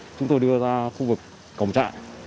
chúng tôi đưa ra khu vực cổng trại